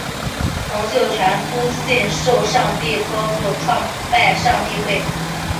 洪秀全笃信受上帝托负创拜上帝会。